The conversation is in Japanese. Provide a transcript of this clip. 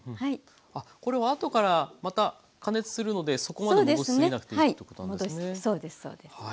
これは後からまた加熱するのでそこまで戻し過ぎなくていいということなんですね。